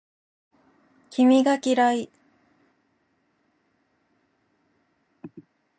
君が嫌い